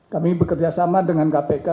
kami bekerjasama dengan kpk